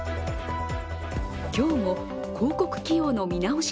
今日も広告起用の見直し